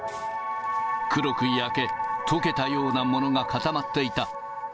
黒く焼け、溶けたようなものが固まっていた。